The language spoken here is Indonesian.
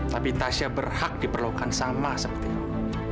tapi tasya berhak diperlukan sama seperti itu